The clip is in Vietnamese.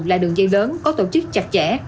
là đường dây lớn có tổ chức chặt chẽ